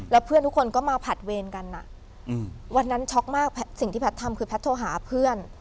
แล้วเพื่อนทุกคนก็มาผัดเวรกันวันนั้นช็อกมากสิ่งที่แพทย์ทำคือแพทย์โทรหาเพื่อน